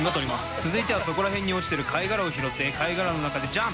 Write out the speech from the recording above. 続いてはそこら辺に落ちてる貝殻を拾って貝殻の中でジャンプ！